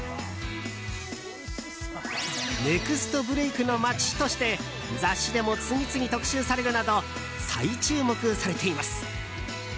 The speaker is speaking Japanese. ネクストブレイクの町として雑誌でも次々特集されるなど再注目されています。